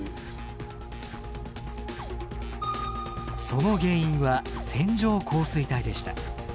その原因は線状降水帯でした。